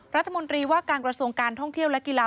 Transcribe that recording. รัฐมนตรีว่าการกระทรวงการท่องเที่ยวและกีฬา